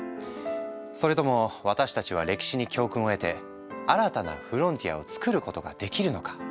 それとも私たちは歴史に教訓を得て新たなフロンティアをつくることができるのか。